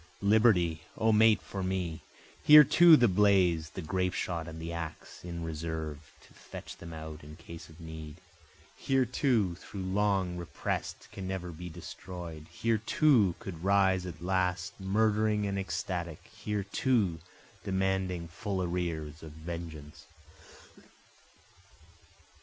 O Liberty! O mate for me! Here too the blaze, the grape shot and the axe, in reserve, to fetch them out in case of need, Here too, though long represt, can never be destroy'd, Here too could rise at last murdering and ecstatic, Here too demanding full arrears of vengeance.